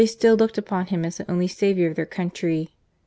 Still looked apon him as the only saviour of their country.